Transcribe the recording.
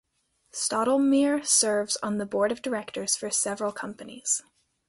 Stottlemyre serves on the board of directors for several companies.